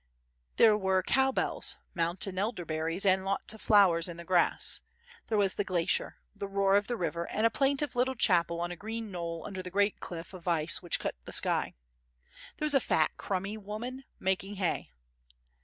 There were cow bells, mountain elder berries and lots of flowers in the grass. There was the glacier, the roar of the river and a plaintive little chapel on a green knoll under the great cliff of ice which cut the sky. There was a fat, crumby woman making hay.